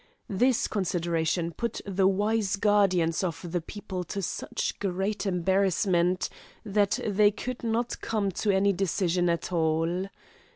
This consideration put the wise guardians of the people to such great embarrassment, that they could not come to any decision at all.